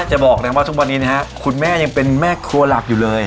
จะบอกนะว่าทุกวันนี้นะฮะคุณแม่ยังเป็นแม่ครัวหลักอยู่เลย